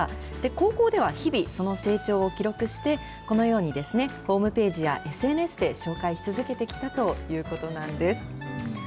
高校では、日々、その成長を記録して、このようにですね、ホームページやＳＮＳで紹介し続けてきたということなんです。